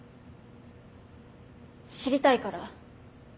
知りたいから。